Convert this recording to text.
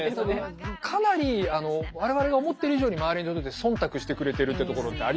かなり我々が思ってる以上に周りの人って忖度してくれてるってところってありますよね。